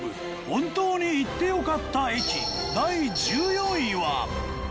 本当に行ってよかった駅第１４位は。